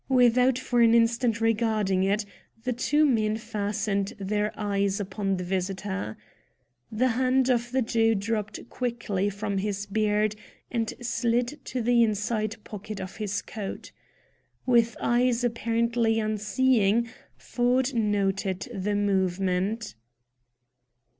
Without for an instant regarding it, the two men fastened their eyes upon the visitor. The hand of the Jew dropped quickly from his beard, and slid to the inside pocket of his coat. With eyes apparently unseeing, Ford noted the movement.